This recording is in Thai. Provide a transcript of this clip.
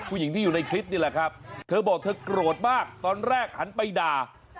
ผู้หญิงที่อยู่ในคลิปนี่แหละครับเธอบอกเธอโกรธมากตอนแรกหันไปด่า